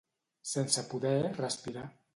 Sense poder respirar.